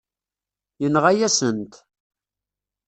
Yenɣa-yasen-t.